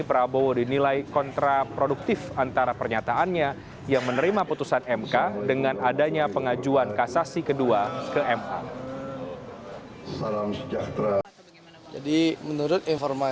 prabowo dinilai kontraproduktif antara pernyataannya yang menerima putusan mk dengan adanya pengajuan kasasi kedua ke ma